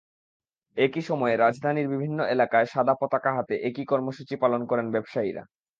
একই সময়ে রাজধানীর বিভিন্ন এলাকায় সাদা পতাকা হাতে একই কর্মসূচি পালন করেন ব্যবসায়ীরা।